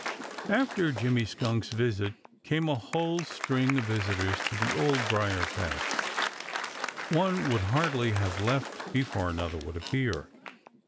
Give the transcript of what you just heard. After Jimmy Skunk's visit came a whole string of visitors to the Old Briar patch. One would hardly have left before another would appear.